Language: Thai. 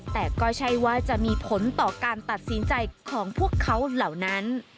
แต่ก็ใช่ว่าจะมีผลต่อการตัดสินใจของพวกเขาเหล่านั้น